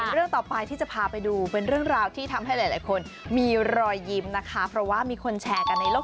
เรื่องต่อไปที่จะพาไปดูเป็นเรื่องราวที่ทำให้หลายคนมีรอยยิ้มนะคะเพราะว่ามีคนแชร์กันในโลก